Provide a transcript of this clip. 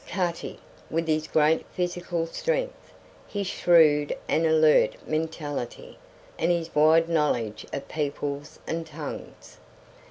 Cutty! with his great physical strength, his shrewd and alert mentality, and his wide knowledge of peoples and tongues.